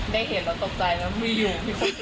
ได้เห็นแล้วตกใจแล้วไม่อยู่